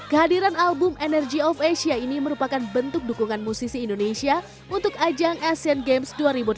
kehadiran album energy of asia ini merupakan bentuk dukungan musisi indonesia untuk ajang asean games dua ribu delapan belas